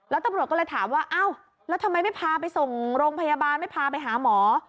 แล้วตำรวจก็เลยถามว่าอ้าวแล้วทำไมไม่พาไปส่งโรงพยาบาลไม่พาไปหาหมอ